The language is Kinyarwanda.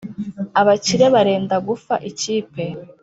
abakire barenda gufa ikipe